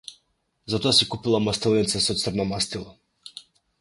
Затоа си купила мастилница со црно мастило.